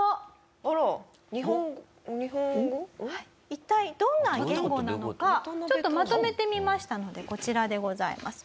一体どんな言語なのかちょっとまとめてみましたのでこちらでございます。